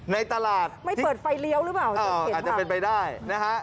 ในตลาดไม่เปิดไฟเลี้ยวหรือเปล่าอาจจะเป็นไปได้นะฮะ